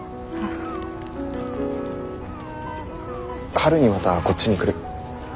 春にまたこっちに来る。